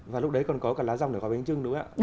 và lúc đấy còn có cả lá rong ở hoa bến trưng nữa ạ